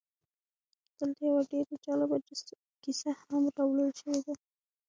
دلته یوه ډېره جالبه کیسه هم راوړل شوې ده